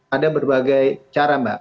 ada berbagai cara mbak